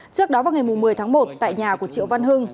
trước đó vào ngày một mươi tháng một tại nhà của triệu văn hưng